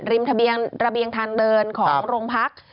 ริมระเบียงทางเดินของโรงพักษณ์